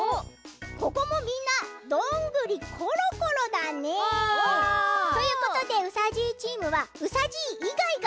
ここもみんな「どんぐりころころ」だね。ということでうさじいチームはうさじいいがいが。